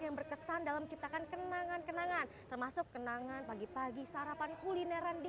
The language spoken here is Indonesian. yang berkesan dalam menciptakan kenangan kenangan termasuk kenangan pagi pagi sarapan kulineran di